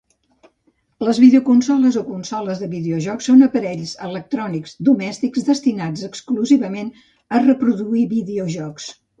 Les videoconsoles o consoles de videojocs són aparells electrònics domèstics destinats exclusivament a reproduir videojocs.